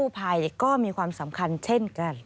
สวัสดีค่ะสวัสดีค่ะ